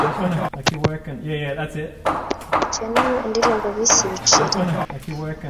na Neg-G The General indirimbo bise 'Ibiceri